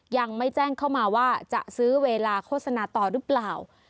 ยังไม่แจ้งเข้ามาว่าจะซื้อเวลาโฆษณาต่อหรือเปล่า